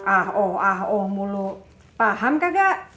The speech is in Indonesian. ah oh ah oh mulu paham kagak